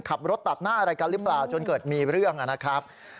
ขับรถตัดหน้าอะไรกันหรือเปล่าจนเกิดมีเรื่องนะครับ